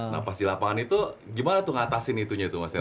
nah pas di lapangan itu gimana tuh ngatasin itunya tuh mas ya